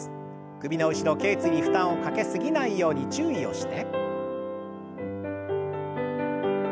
首の後ろけい椎に負担をかけ過ぎないように注意をして。